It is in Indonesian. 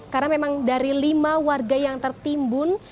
karena memang dari lima warga yang tertimbun